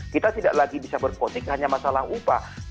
kita tidak lagi bisa berpotik hanya masalah upah